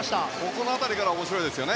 この辺りから面白いですよね。